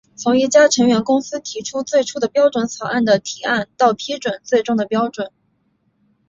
从一家成员公司提出最初的标准草案的提案到批准最终的标准。